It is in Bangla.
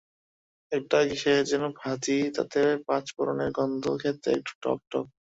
একটা কিসের যেন ভাজি, তাতে পাঁচফোড়নের গন্ধ-খেতে একটু টক-টক।